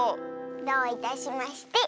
どういたしまして。